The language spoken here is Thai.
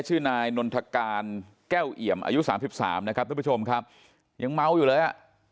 ชื่อนายนนทการแก้วเอี่ยมอายุสามสิบสามนะครับทุกผู้ชมครับยังเมาอยู่เลยอ่ะ